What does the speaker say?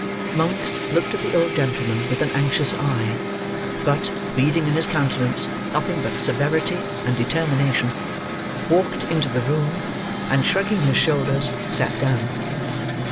Monks looked at the old gentleman, with an anxious eye; but, reading in his countenance nothing but severity and determination, walked into the room, and, shrugging his shoulders, sat down.